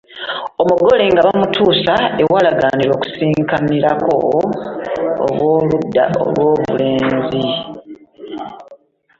Omugole nga bamutuusa awaalagaanibwa okusisinkanirako ab’oludda lw’omulenzi.